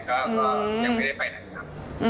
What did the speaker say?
ก็ยังไม่ได้ไปไหนครับ